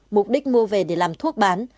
mục đích mua về để làm thuốc bán